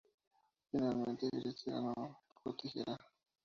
Finalmente, Christie's ganó, con tijera.